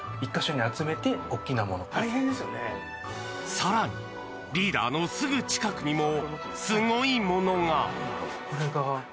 更に、リーダーのすぐ近くにもすごいものが。